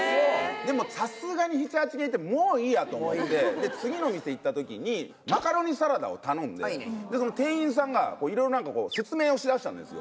でもさすがに７８軒行ってもういいやと思ってで次の店行った時にマカロニサラダを頼んで店員さんがいろいろ何か説明をしだしたんですよ。